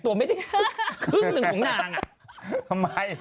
ว่าไง